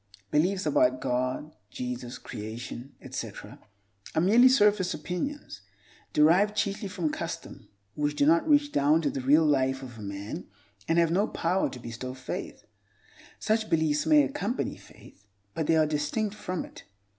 Beliefs about God, Jesus, Creation, etc., are merely surface opinions (derived chiefly from custom) which do not reach down to the real life of a man and have no power to bestow faith. Such beliefs may accompany faith, but they are distinct from it.